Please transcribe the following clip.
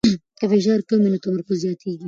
که فشار کم وي نو تمرکز زیاتېږي.